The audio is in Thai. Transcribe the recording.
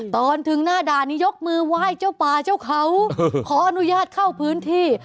ตอนถึงหน้าด่านนี้ยกมือไหว้เจ้าป่าเจ้าเขาขออนุญาตเข้าพื้นที่